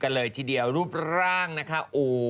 เลยทีเดียวรูปร่างนะคะ